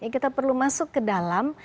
kita perlu masuk ke dalam